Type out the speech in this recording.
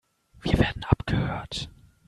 Wir werden abgehört.